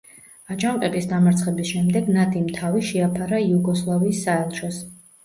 აჯანყების დამარცხების შემდეგ ნადიმ თავი შეაფარა იუგოსლავიის საელჩოს.